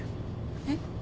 えっ？